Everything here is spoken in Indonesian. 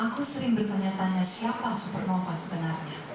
aku sering bertanya tanya siapa supernova sebenarnya